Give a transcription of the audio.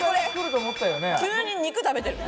急に肉食べてる。